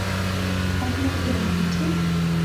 একমাত্র বন্ধু, ঠিক?